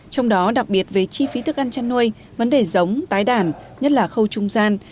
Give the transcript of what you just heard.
trong đó đặc biệt về chi phí thức ăn chăn nuôi vấn đề giống tái đàn nhất là khâu trung gian